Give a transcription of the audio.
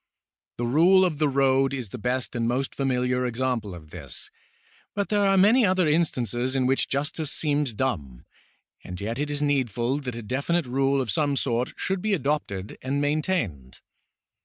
The rule of the road i§ the best and most familiar example of this, but there are many other instances in which justice seems dumb, and yet it is needful that a definite rule of some sort should be adopted and maintained.